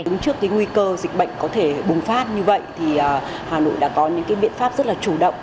đứng trước cái nguy cơ dịch bệnh có thể bùng phát như vậy thì hà nội đã có những biện pháp rất là chủ động